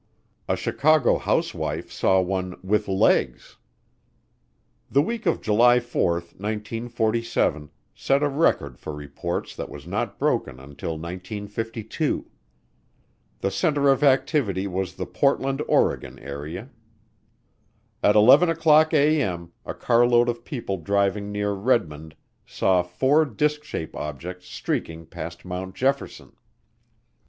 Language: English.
A Chicago housewife saw one "with legs." The week of July 4, 1947, set a record for reports that was not broken until 1952. The center of activity was the Portland, Oregon, area. At 11:00A.M. a carload of people driving near Redmond saw four disk shaped objects streaking past Mount Jefferson.